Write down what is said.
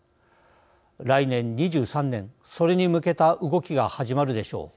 来年２３年それに向けた動きが始まるでしょう。